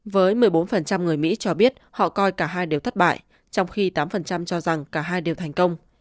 với một mươi bốn người mỹ cho biết họ coi cả hai đều thất bại trong khi tám cho rằng cả hai đều thành công